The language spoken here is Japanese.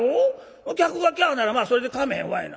お客が『キャ』ならまあそれでかめへんわいな。